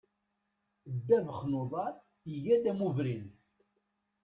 Ddabex n uḍar iga d amubrin.